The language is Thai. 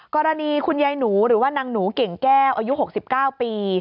กรณีคุณยายหนูหรือว่านางหนูเก่งแก้วอายุ๖๙ปี